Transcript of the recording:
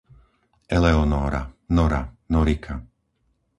Eleonóra, Nora, Norika